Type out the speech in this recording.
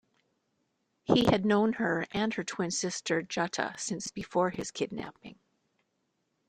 He had known her and her twin sister Jutta since before his kidnapping.